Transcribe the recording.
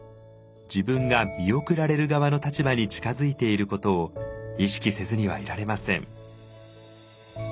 自分が見送られる側の立場に近づいていることを意識せずにはいられません。